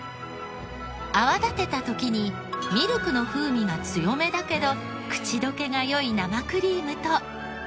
泡立てた時にミルクの風味が強めだけど口溶けが良い生クリームと。